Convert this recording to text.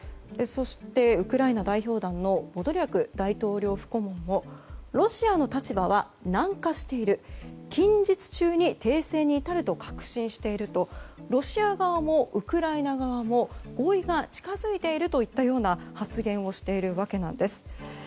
そして、ウクライナ代表団のポドリャク大統領府顧問もロシアの立場は軟化している近日中に停戦に至ると確信しているとロシア側もウクライナ側も合意が近づいているといったような発言をしているわけなんです。